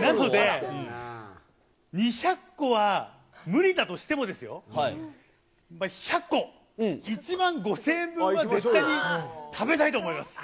なので、２００個は無理だとしてもですよ、１００個、１万５０００円分は絶対に食べたいと思います。